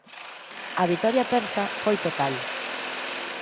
A vitoria persa foi total.